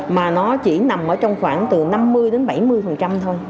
mà nó chỉ nằm trong khoảng năm mươi bảy mươi thôi